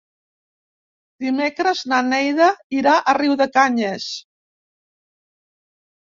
Dimecres na Neida irà a Riudecanyes.